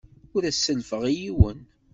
Ur as-sellfeɣ i yiwen.